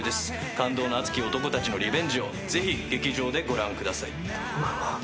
感動の熱き男たちのリベンジをぜひ劇場でご覧ください。